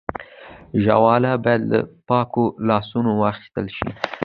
ژاوله باید له پاکو لاسونو واخیستل شي.